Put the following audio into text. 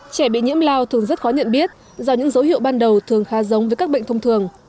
trẻ bị nhiễm lao thường rất khó nhận biết do những dấu hiệu ban đầu thường khá giống với các bệnh thông thường